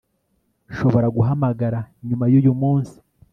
Nshobora guhamagara nyuma yuyu munsi